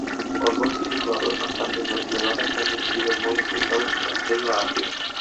Os bosques situados nas partes máis elevadas teñen sido moi afectados pola choiva ácida.